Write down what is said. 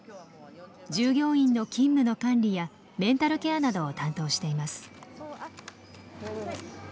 従業員の勤務の管理やメンタルケアなどを担当しています。